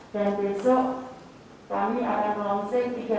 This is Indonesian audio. dan besok kami akan launchen tiga ratus lima puluh